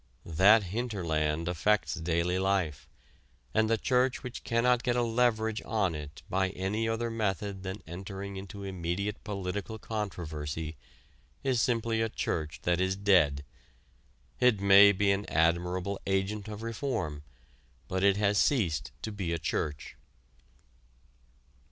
That "hinterland" affects daily life, and the church which cannot get a leverage on it by any other method than entering into immediate political controversy is simply a church that is dead. It may be an admirable agent of reform, but it has ceased to be a church.